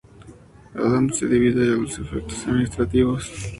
Adams se divide, a los efectos administrativos.